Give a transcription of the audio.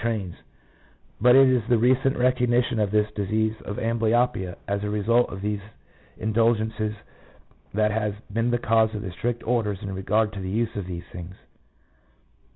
171 trains ; but it is the recent recognition of this disease of amblyopia as a result of these indulgences that has been the cause of the strict orders in regard to the use of these things.